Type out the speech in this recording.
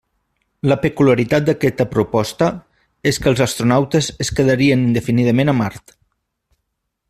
La peculiaritat d'aquesta proposta és que els astronautes es quedarien indefinidament a Mart.